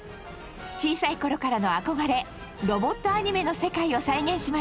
小さい頃からの憧れロボットアニメの世界を再現しました。